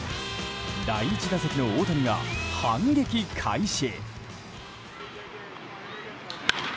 第１打席の大谷が反撃開始。